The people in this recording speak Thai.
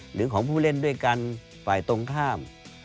หรือของผู้เล่นด้วยกันฝ่ายตรงข้าม